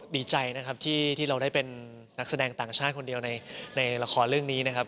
ดีใจนะครับที่เราได้เป็นนักแสดงต่างชาติคนเดียวในละครเรื่องนี้นะครับ